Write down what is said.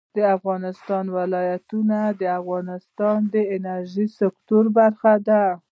د افغانستان ولايتونه د افغانستان د انرژۍ سکتور برخه ده.